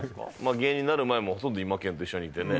芸人になる前、ほとんどイマケンと一緒にいてね。